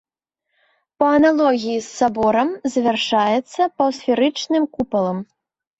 Па аналогіі з саборам завяршаецца паўсферычным купалам.